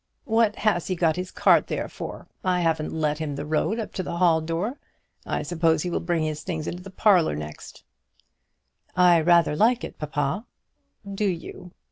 "What has he got his cart there for? I haven't let him the road up to the hall door. I suppose he will bring his things into the parlour next." "I rather like it, papa." "Do you?